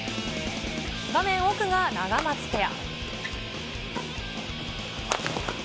画面奥がナガマツペア。